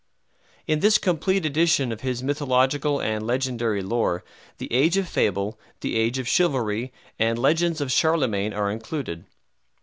In this complete edition of his mythological and legendary lore "The Age of Fable," "The Age of Chivalry," and "Legends of Charlemagne" are included.